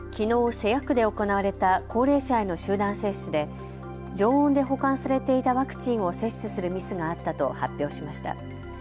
瀬谷区で行われた高齢者への集団接種で常温で保管されていたワクチンを接種するミスがあったと発表しました。